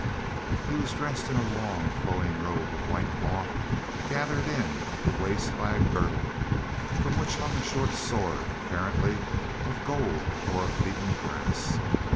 He was dressed in a long, flowing robe of white cloth, gathered in at the waist by a girdle, from which hung a short sword, apparently of gold or of beaten brass.